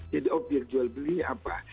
jadi objek jual belinya apa